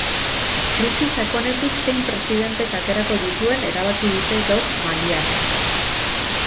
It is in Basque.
Krisi sakonetik zein presidentek aterako dituen erabaki dute gaur maliarrek.